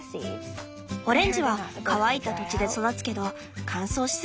オレンジは乾いた土地で育つけど乾燥しすぎても駄目。